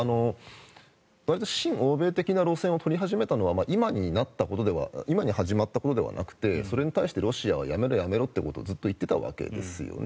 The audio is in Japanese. わりと親欧米的な路線を取り始めたのは今に始まったことではなくてそれに対してロシアはやめろ、やめろということをずっと言っていたわけです。